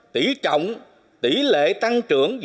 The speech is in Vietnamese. tỉ trọng tỉ lệ tăng trưởng